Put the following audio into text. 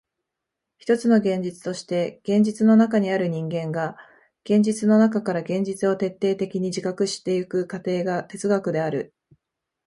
ひとつの現実として現実の中にある人間が現実の中から現実を徹底的に自覚してゆく過程が哲学である。